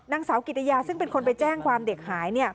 นางสาวกิติยาซึ่งเป็นคนไปแจ้งความเด็กหาย